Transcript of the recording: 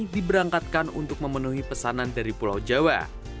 diberangkatkan untuk memenuhi pesanan dari pulau jawa